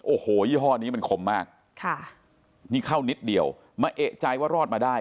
โอ้โหยี่ห้อนี้มันคมมากค่ะนี่เข้านิดเดียวมาเอกใจว่ารอดมาได้